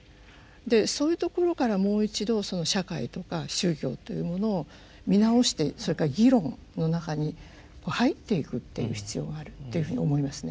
でそういうところからもう一度社会とか宗教っていうものを見直してそれから議論の中に入っていくっていう必要があるっていうふうに思いますね。